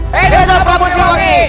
hidup ramu silawati